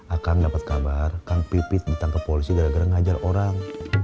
akang dapat kabar kang pipit ditangkap polisi gara gara ngajar orang